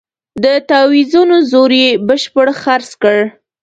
د تاویزونو زور یې بشپړ خرڅ کړ.